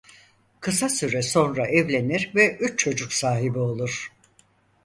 Kısa süre sonra evlenir ve üç çocuk sahibi olur.